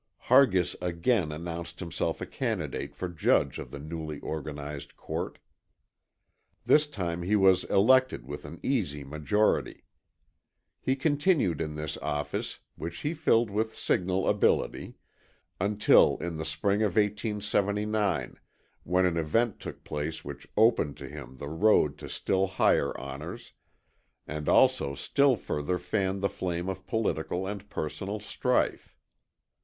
Hargis again announced himself a candidate for judge of the newly organized court. This time he was elected with an easy majority. He continued in this office, which he filled with signal ability, until in the spring of 1879, when an event took place which opened to him the road to still higher honors, and also still further fanned the flame of political and personal strife.